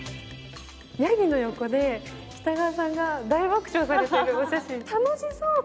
ヤギの横で北川さんが大爆笑されているお写真、楽しそうと。